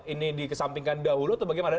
ini dikesampingkan dahulu atau bagaimana